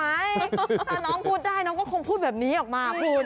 ถ้าน้องพูดได้น้องก็คงพูดแบบนี้ออกมาคุณ